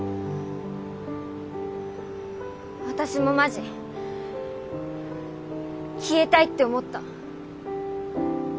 私もマジ消えたいって思った。